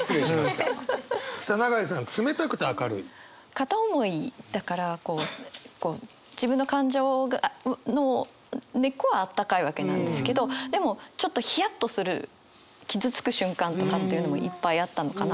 片思いだからこう自分の感情の根っこはあったかいわけなんですけどでもちょっとヒヤッとする傷つく瞬間とかっていうのもいっぱいあったのかなと。